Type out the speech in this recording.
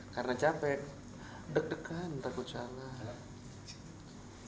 karena capek deg degan takut salah